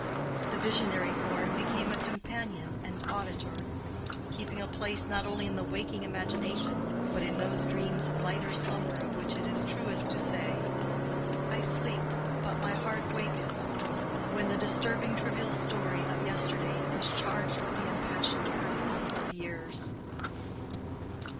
The visionary form became a companion and auditor; keeping a place not only in the waking imagination, but in those dreams of lighter slumber of which it is truest to say, "I sleep, but my heart waketh"—when the disturbing trivial story of yesterday is charged with the impassioned purpose of years.